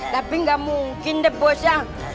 tapi gak mungkin deh bos ya